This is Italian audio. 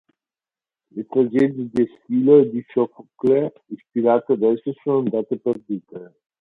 Le tragedie di Eschilo e di Sofocle ispirate ad esso sono andate perdute.